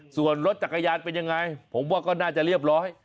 ส่วนรถจักรยานเป็นยังไงผมว่าก็น่าจะเรียบร้อย